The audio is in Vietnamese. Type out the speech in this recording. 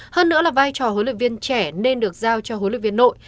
hơn nữa là vai trò huấn luyện viên trẻ nên được giao cho huấn luyện viên nội